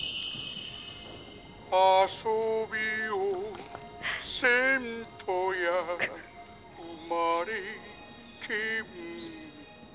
「あそびをせんとやうまれけむ」